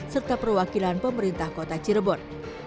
serta perwakilan pemerintah kota cirebon